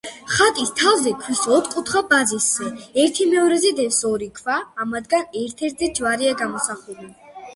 ხატის თავზე, ქვის ოთხკუთხა ბაზისზე, ერთიმეორეზე დევს ორი ქვა, ამათგან ერთ-ერთზე ჯვარია გამოსახული.